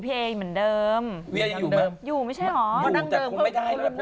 พี่เวียก็ยังอยู่กับพี่เอเหมือนเดิม